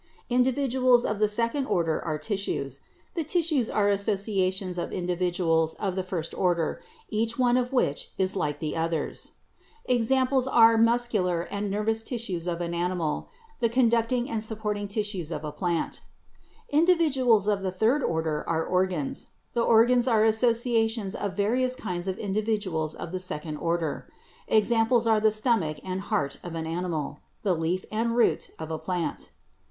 Individuals of the second order are tissues. The tissues are associations of individuals of the first order, each one of which is like the others. Examples are the muscular 58 BIOLOGY and nervous tissues of an animal, the conducting and sup porting tissues of a plant. Individuals of the third order are organs. The organs are associations of various kinds of individuals of the second order. Examples are the stomach and heart of an animal, the leaf and root of a plant.